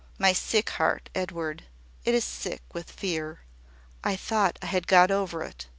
"My sick heart, Edward. It is sick with fear. I thought I had got over it.